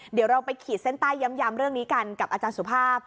เดี๋ยวเราไปขีดเส้นใต้ย้ำเรื่องนี้กันกับอาจารย์สุภาพ